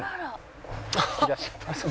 いらっしゃいました。